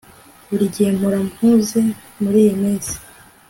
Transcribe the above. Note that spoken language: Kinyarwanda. Buri gihe mpora mpuze muriyi minsi